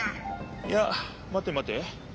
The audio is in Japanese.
いやまてまて。